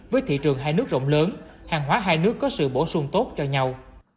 với thị trường hai nước rộng lớn hàng hóa hai nước có sự bổ sung tốt cho nhau